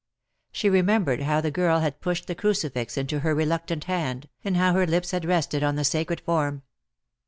She remembered how the girl had pushed the crucifix into her reluctant hand, and how her lips had rested on the sacred form.